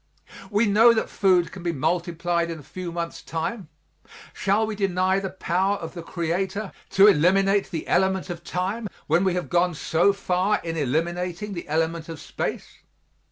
We know that food can be multiplied in a few months' time; shall we deny the power of the Creator to eliminate the element of time, when we have gone so far in eliminating the element of space?